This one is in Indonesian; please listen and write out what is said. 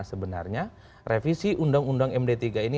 sebenarnya revisi undang undang md tiga ini